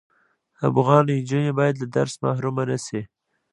افغان انجوني بايد له درس محرومه نشی